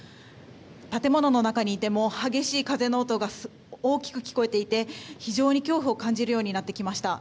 建物の中にいても激しい風の音が大きく聞こえていて非常に恐怖を感じるようになってきました。